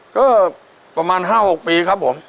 ก็ประมาณ๕๖ปีครับผม